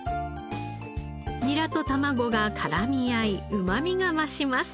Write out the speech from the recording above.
ニラと卵が絡み合いうまみが増します。